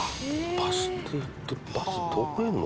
バス停ってバス通れるの？